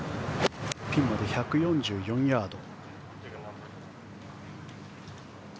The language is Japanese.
ピンまで１４４ヤード。